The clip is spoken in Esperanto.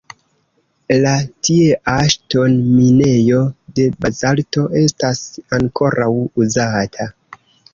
La tiea ŝtonminejo de bazalto estas ankoraŭ uzata.